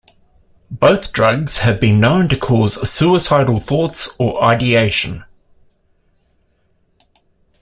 Both drugs have been known to cause suicidal thoughts or ideation.